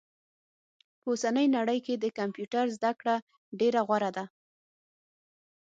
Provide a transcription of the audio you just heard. په اوسني نړئ کي د کمپيوټر زده کړه ډيره غوره ده